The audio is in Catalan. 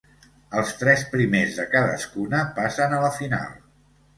Els tres primers de cadascuna passen a la final.